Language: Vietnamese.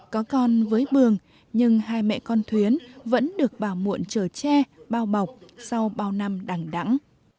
có con với bường nhưng hai mẹ con thuyến vẫn được bà muộn chở tre bao mọc sau bao năm đẳng đẳng